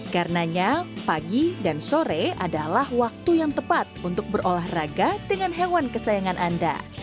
karenanya pagi dan sore adalah waktu yang tepat untuk berolahraga dengan hewan kesayangan anda